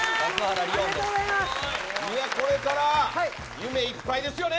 これから夢いっぱいですよね。